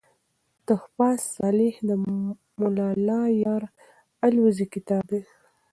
"تحفه صالح" دملا الله یار الوزي کتاب دﺉ.